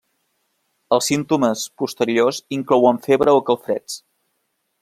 Els símptomes posteriors inclouen febre o calfreds.